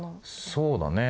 そうだね。